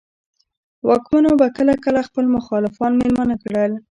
واکمنو به کله کله خپل مخالفان مېلمانه کړل.